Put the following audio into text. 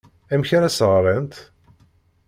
Amek ara as-ɣrent?